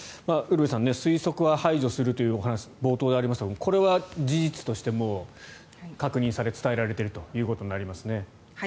ウルヴェさん推測は排除するという話が冒頭でありましたがこれは事実として確認され伝えられているということになりますね。